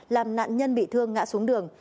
làm nạn nhân bị thương ngã xuống đường